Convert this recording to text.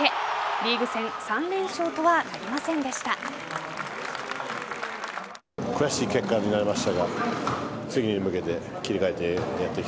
リーグ戦３連勝とはなりませんでした。